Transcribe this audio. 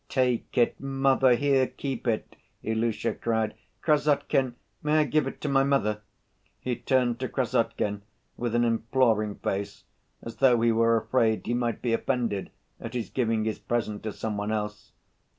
"Take it, mother, here, keep it!" Ilusha cried. "Krassotkin, may I give it to my mother?" he turned to Krassotkin with an imploring face, as though he were afraid he might be offended at his giving his present to some one else.